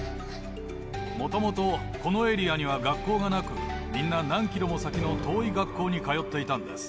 もともとこのエリアには学校がなく、みんな何キロも先の遠い学校に通っていたんです。